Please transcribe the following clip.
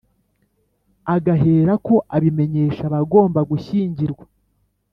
agaherako abimenyesha abagomba gushyingirwa